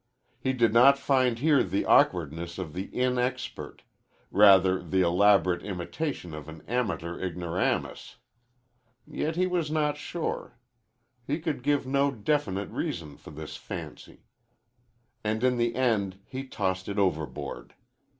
He did not find here the awkwardness of the inexpert; rather the elaborate imitation of an amateur ignoramus. Yet he was not sure. He could give no definite reason for this fancy. And in the end he tossed it overboard.